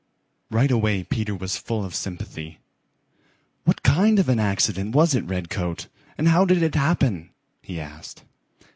Right away Peter was full of sympathy. "What kind of an accident was it, Redcoat, and how did it happen?" he asked.